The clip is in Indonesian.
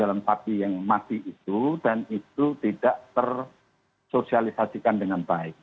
atau terhitung mulai maksimal kenaikan hal yang tidak sebenarnya perlu disoalsialisasikan dengan baik